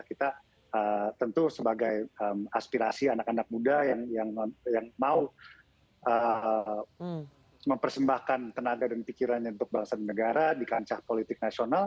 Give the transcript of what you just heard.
kita tentu sebagai aspirasi anak anak muda yang mau mempersembahkan tenaga dan pikirannya untuk bangsa dan negara di kancah politik nasional